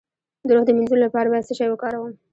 د روح د مینځلو لپاره باید څه شی وکاروم؟